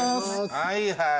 はいはい。